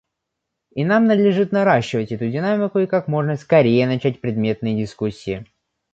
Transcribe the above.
И нам надлежит наращивать эту динамику и как можно скорее начать предметные дискуссии.